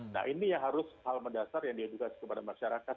nah ini yang harus hal mendasar yang diedukasi kepada masyarakat